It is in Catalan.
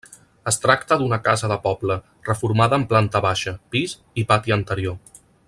Es tracta d'una casa de poble, reformada amb planta baixa, pis i pati anterior.